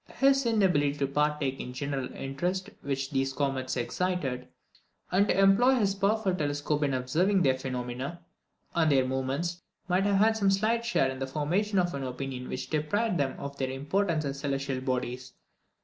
His inability to partake in the general interest which these three comets excited, and to employ his powerful telescope in observing their phenomena, and their movements, might have had some slight share in the formation of an opinion which deprived them of their importance as celestial bodies.